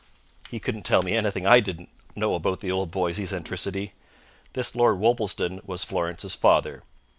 He couldn't tell me anything I didn't know about the old boy's eccentricity. This Lord Worplesdon was Florence's father.